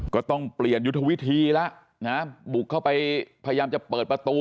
ก็ต้องเปลี่ยนยุทธวิธีแล้วนะบุกเข้าไปพยายามจะเปิดประตู